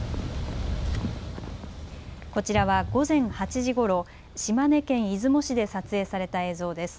こちらは午前８時ごろ、島根県出雲市で撮影された映像です。